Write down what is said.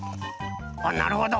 おっなるほど。